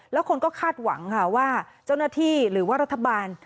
แล้วคนก็คาดหวังค่ะว่าเจ้าหน้าที่หรือว่ารัฐบาล